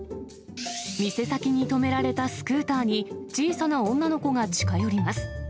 店先に止められたスクーターに、小さな女の子が近寄ります。